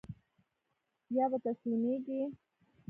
يا به تسليمېږي.